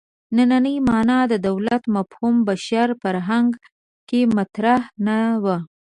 نننۍ معنا دولت مفهوم بشر فرهنګ کې مطرح نه و.